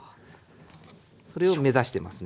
それを目指してますね。